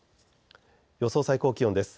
予想最高気温です。